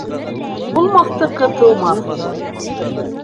Булмаҫтыҡы тыумаҫ.